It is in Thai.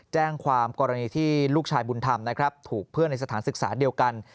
แจ้งความกรณีที่ลูกชายบุญธรรมนะครับถูกเพื่อนในสถานศึกษาเดียวกัน